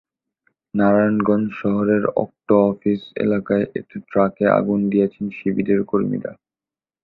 নারায়ণগঞ্জ শহরের অক্টো অফিস এলাকায় একটি ট্রাকে আগুন দিয়েছেন শিবিরের কর্মীরা।